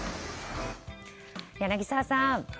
柳澤さん